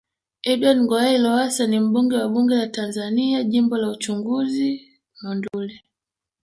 Edward Ngoyai Lowass ni mbunge wa Bunge la Tanzania Jimbo la uchaguzi Monduli